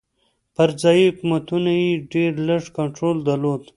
پر ځايي حکومتونو یې ډېر لږ کنټرول درلود.